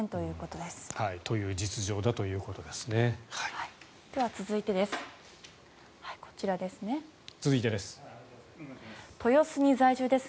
では、続いてです。